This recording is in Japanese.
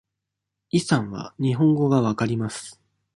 イさんは日本語が分かります。